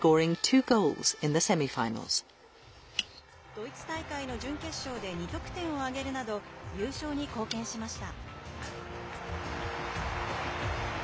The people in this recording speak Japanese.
ドイツ大会の準決勝で２得点を挙げるなど優勝に貢献しました。